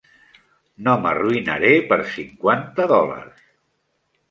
No m'arruïnaré per cinquanta dòlars.